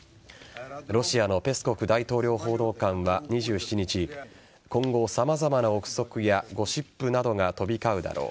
ロシアのペスコフ大統領報道官は２７日今後、様々な憶測やゴシップなどが飛び交うだろう